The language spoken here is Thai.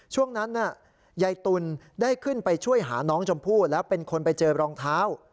ช่วงนั้นยายตุ๋นได้ขึ้นไปช่วยหาน้องชมพู่แล้วเป็นคนไปเจอรองเท้า